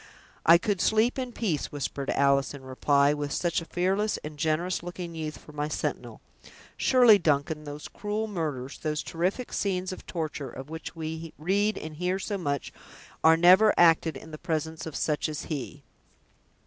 "I could sleep in peace," whispered Alice, in reply, "with such a fearless and generous looking youth for my sentinel. Surely, Duncan, those cruel murders, those terrific scenes of torture, of which we read and hear so much, are never acted in the presence of such as he!"